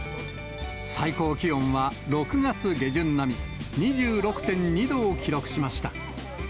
最高気温は６月下旬並み、２６．２度を記録しました。